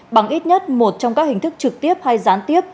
bằng ít nhất một trong các hình thức trực tiếp hay gián tiếp